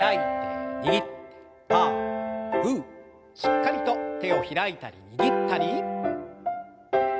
しっかりと手を開いたり握ったり。